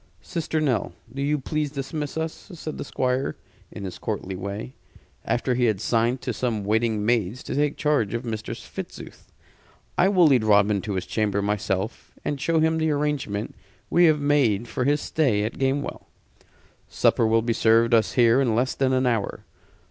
"Sister Nell do you please dismiss us," said the Squire, in his courtly way, after he had signed to some waiting maids to take charge of Mistress Fitzooth. "I will lead Robin to his chamber myself, and show him the arrangement we have made for his stay at Gamewell. Supper will be served us here in less than an hour.